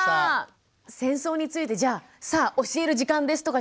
戦争についてじゃあ「さあ教える時間です」とかじゃなくて